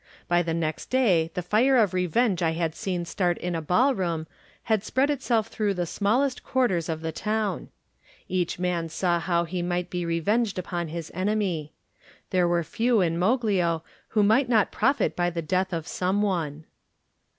By the next day the fire of revenge I had seen start in a ballroom had spread itself through the smallest quarters of the town. Each man saw how he might be revenged upon his enemy. There were few in Moglio who might not profit by the death of some one.